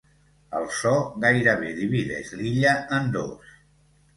El so gairebé divideix l'illa en dos.